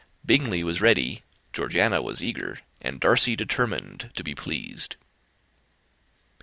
Bingley was ready, Georgiana was eager, and Darcy determined, to be pleased.